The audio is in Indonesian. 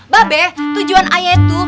babek tujuan ayah itu